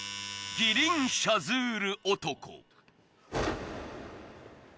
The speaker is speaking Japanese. ギリンシャズール。